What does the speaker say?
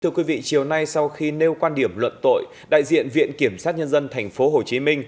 thưa quý vị chiều nay sau khi nêu quan điểm luận tội đại diện viện kiểm sát nhân dân tp hcm